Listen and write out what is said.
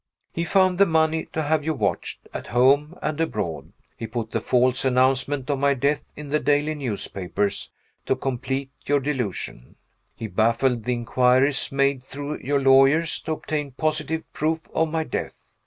He found the money to have you watched at home and abroad; he put the false announcement of my death in the daily newspapers, to complete your delusion; he baffled the inquiries made through your lawyers to obtain positive proof of my death.